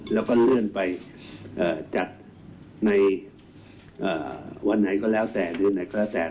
แล้วก็เลื่อนไปจัดในวันไหนก็แล้วแต่หรือไหนก็แล้วแต่